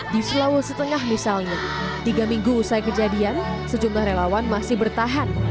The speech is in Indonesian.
di sulawesi tengah misalnya tiga minggu usai kejadian sejumlah relawan masih bertahan